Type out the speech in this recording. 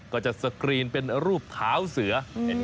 ก็จะสกรีนเป็นรูปเท้าเสือ